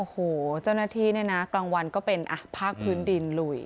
โอ้โหเจ้าหน้าที่เนี่ยนะกลางวันก็เป็นภาคพื้นดินลุย